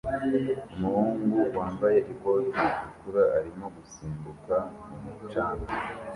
umuhungu wambaye ikoti ritukura arimo gusimbuka mu mucanga